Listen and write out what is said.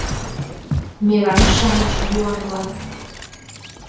Мераҥ-шамыч юарлат.